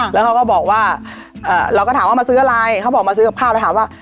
แล้วเขาก็บอกว่าเราก็ถามว่ามาซื้ออะไรเขาบอกมาซื้อกับข้าวแล้วถามว่า